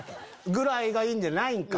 ぐらいがいいんでないんか？